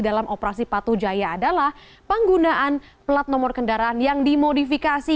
dalam operasi patu jaya adalah penggunaan plat nomor kendaraan yang dimodifikasi